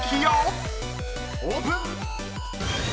［オープン！］